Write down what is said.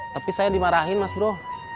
tapi saya dimarahin mas bro